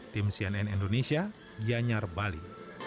tim cnn indonesia gianyar bali